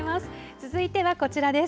続いては、こちらです。